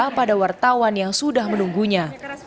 pada wartawan yang sudah menunggunya